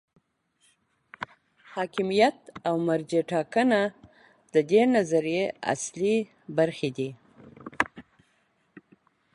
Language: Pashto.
حاکمیت او مرجع ټاکنه د دې نظریې اصلي برخې دي.